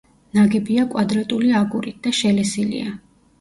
ნაგებია კვადრატული აგურით და შელესილია.